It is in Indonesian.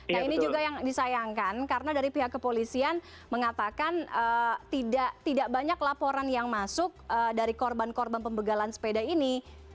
nah ini juga yang disayangkan karena dari pihak kepolisian mengatakan tidak banyak laporan yang masuk dari korban korban pembegalan sepeda ini